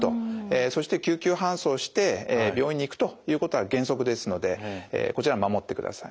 そして救急搬送して病院に行くということが原則ですのでこちら守ってください。